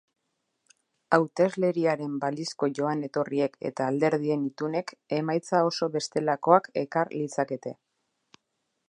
Hautesleriaren balizko joan-etorriek eta alderdien itunek emaitza oso bestelakoak ekar litzakete.